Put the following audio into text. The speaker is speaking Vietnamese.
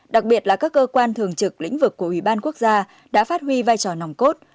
đặc biệt là các cơ quan thường trực lĩnh vực của ủy ban quốc gia đã phát huy vai trò nòng cốt